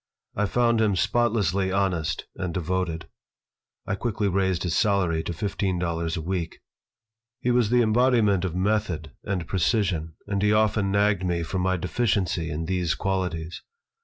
I found him spotlessly honest and devoted I quickly raised his salary to fifteen dollars a week He was the embodiment of method and precision and he often nagged me for my deficiency in these qualities.